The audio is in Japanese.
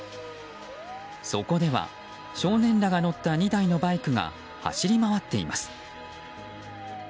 そこでは、少年らが乗った２台のバイクが走り回っています。